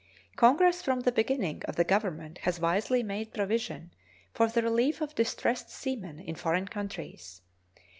Congress from the beginning of the Government has wisely made provision for the relief of distressed seamen in foreign countries.